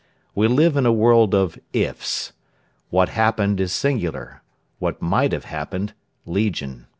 We live in a world of 'ifs.' 'What happened,' is singular; 'what might have happened,' legion.